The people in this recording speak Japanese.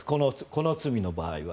この罪の場合は。